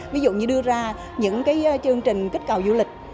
ví dụ như đưa ra những chương trình kích cầu du lịch